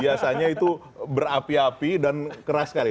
biasanya itu berapi api dan keras sekali